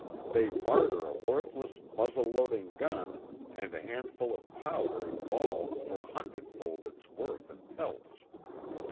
They barter a worthless muzzle loading gun and a handful of powder and ball for a hundredfold its worth in pelts.